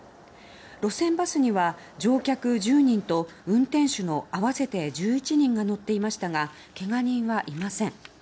路線バスには乗客１０人と運転手の合わせて１１人が乗っていましたがけが人はいません。